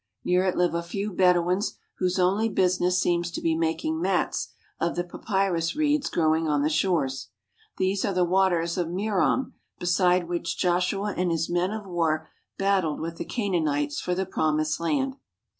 Near it live a few Bedouins whose only business seems to be making mats of the papyrus reeds growing on the shores. These are the waters of Merom beside which Joshua and his men of war battled with the Canaanites for the Promised Land.